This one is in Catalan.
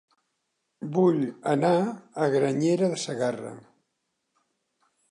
Vull anar a Granyena de Segarra